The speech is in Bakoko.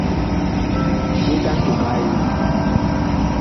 Ɓet a ntom a Eee.